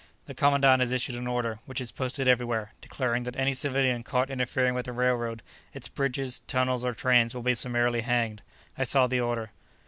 The commandant has issued an order, which is posted everywhere, declaring that any civilian caught interfering with the railroad, its bridges, tunnels, or trains will be summarily hanged. I saw the order."